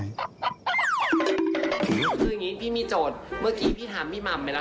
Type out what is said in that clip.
จริงพี่มีโจทย์เมื่อกี้พี่ถามพี่มำไปแล้ว